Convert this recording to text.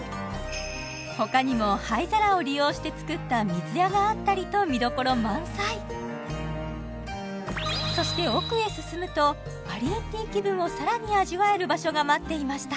他にも灰皿を利用して造った水屋があったりと見どころ満載そして奥へ進むとアリエッティ気分をさらに味わえる場所が待っていました